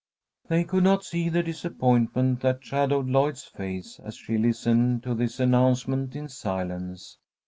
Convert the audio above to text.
They could not see the disappointment that shadowed Lloyd's face as she listened to this announcement in silence.